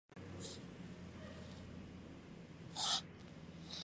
Es el quinto sencillo del álbum, pero es el cuarto en el Reino Unido.